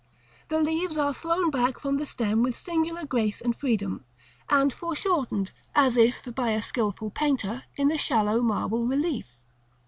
The leaves are thrown back from the stem with singular grace and freedom, and foreshortened, as if by a skilful painter, in the shallow marble relief.